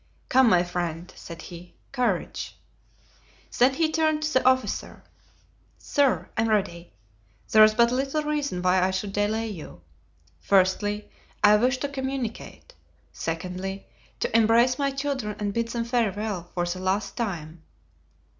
"Come, my friend," said he, "courage." Then he turned to the officer. "Sir, I am ready. There is but little reason why I should delay you. Firstly, I wish to communicate; secondly, to embrace my children and bid them farewell for the last time.